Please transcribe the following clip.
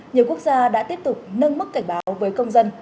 nhiều quốc gia đã tiếp tục nâng mức cảnh báo với công dân